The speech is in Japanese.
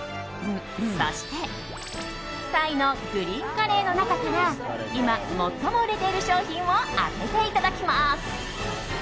そしてタイのグリーンカレーの中から今、最も売れている商品を当てていただきます。